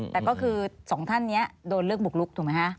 แต่ก็คือ๒ท่านเนี่ยโดนเรื่องบุกลุกถูกไหมฮะ